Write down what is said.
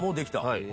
はい。